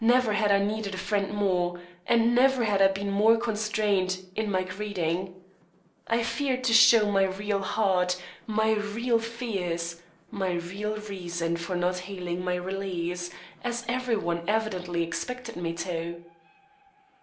Never had I needed a friend more, and never had I been more constrained in my greeting. I feared to show my real heart, my real fears, my real reason for not hailing my release, as every one evidently expected me to!